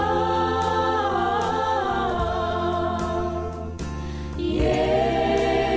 dan m nervous kamu di katakan